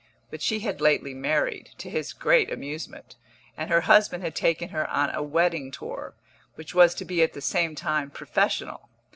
But she had lately married, to his great amusement, and her husband had taken her on a wedding tour, which was to be at the same time professional.